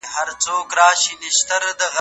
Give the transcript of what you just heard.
یو په غوړه ګودړۍ کي وي پېچلی